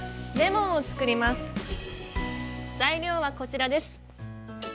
材料はこちらです。